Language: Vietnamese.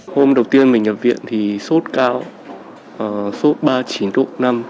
hôm đầu tiên mình nhập viện thì sốt cao sốt ba mươi chín độ năm